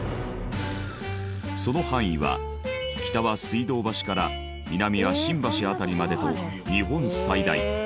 その範囲は北は水道橋から南は新橋辺りまでと日本最大。